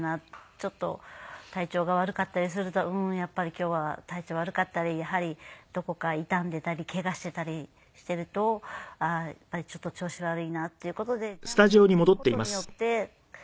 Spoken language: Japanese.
ちょっと体調が悪かったりするとうーんやっぱり今日は体調悪かったりどこか痛んでいたりケガしていたりしているとちょっと調子悪いなっていう事でジャンプを跳ぶ事によって。